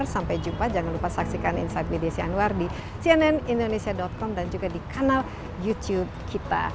sampai jumpa jangan lupa saksikan insight with desi anwar di cnnindonesia com dan juga di kanal youtube kita